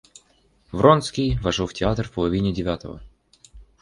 Вронский вошел в театр в половине девятого.